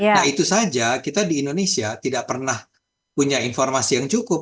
nah itu saja kita di indonesia tidak pernah punya informasi yang cukup